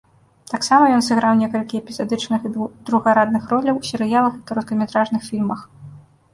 Таксама ён сыграў некалькі эпізадычных і другарадных роляў у серыялах і кароткаметражных фільмах.